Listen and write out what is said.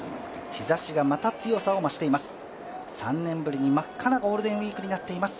日ざしがまた強さを増しています。